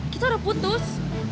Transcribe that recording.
kita udah putus